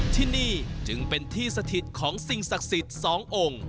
ที่นี่จึงเป็นที่สถิตของสิ่งศักดิ์สิทธิ์สององค์